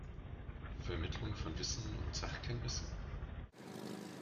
Vermittlung von Wissen und Sachkenntnissen?